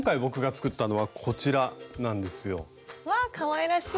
わあかわいらしい！